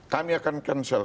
kami akan cancel